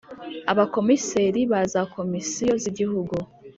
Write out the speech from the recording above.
Abakomiseri ba za komisiyo z igihugu